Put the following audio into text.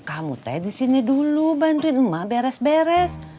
kamu teh di sini dulu bantuin emak beres beres